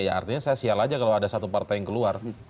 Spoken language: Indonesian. ya artinya saya sial aja kalau ada satu partai yang keluar